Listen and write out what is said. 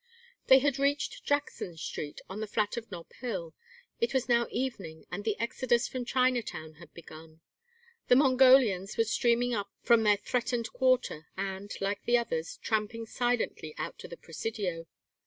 They had reached Jackson Street on the flat of Nob Hill. It was now evening and the exodus from Chinatown had begun. The Mongolians were streaming up from their threatened quarter, and, like the others, tramping silently out to the Presidio.